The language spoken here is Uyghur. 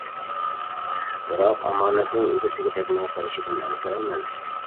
بىراق ئامانەتنىڭ ئىگىسىگە تەگمەي قېلىشىدىن ئەنسىرەيمەن.